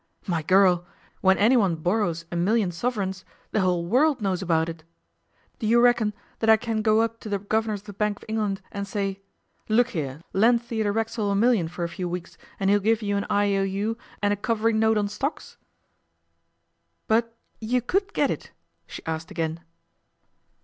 'My girl, when anyone borrows a million sovereigns the whole world knows about it. Do you reckon that I can go up to the Governors of the Bank of England and say, "Look here, lend Theodore Racksole a million for a few weeks, and he'll give you an IOU and a covering note on stocks"?' 'But you could get it?' she asked again.